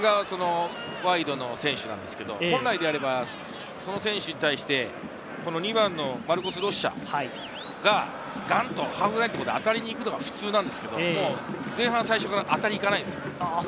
これがワイドの選手なんですけど、本来であればその選手に対して、２番のマルコス・ロッシャが、ハーフラインのところで当たりに行くのが普通なんですけど、前半最初からあたりに行かないんです。